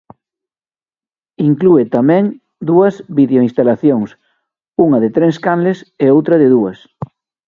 Inclúe tamén dúas videoinstalacións, unha de tres canles e outra de dúas.